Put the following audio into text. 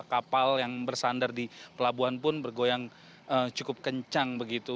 kapal yang bersandar di pelabuhan pun bergoyang cukup kencang begitu